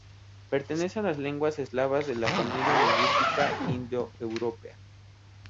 Pertenece a las lenguas eslavas de la familia lingüística indo-europea.